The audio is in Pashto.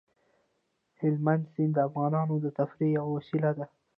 هلمند سیند د افغانانو د تفریح یوه وسیله ده.